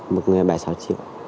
một người bài sáu triệu